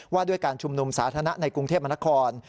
ว่าด้วยการชุมนุมสาธารณะในกรุงเทพมนคร